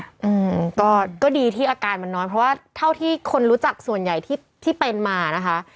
อืมก็ก็ดีที่อาการมันน้อยเพราะว่าเท่าที่คนรู้จักส่วนใหญ่ที่ที่เป็นมานะคะ